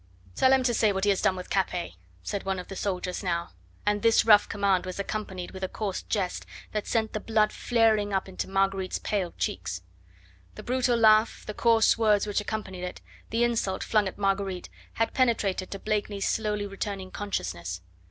"Tell him to say what he has done with Capet," said one of the soldiers now, and this rough command was accompanied with a coarse jest that sent the blood flaring up into Marguerite's pale cheeks. The brutal laugh, the coarse words which accompanied it, the insult flung at Marguerite, had penetrated to Blakeney's slowly returning consciousness.